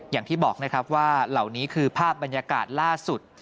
อย่างที่บอกนะครับว่าเหล่านี้คือภาพบรรยากาศล่าสุด